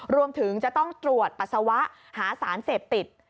รวมถึงจะต้องตรวจปัสสาวะหาสารเสพติด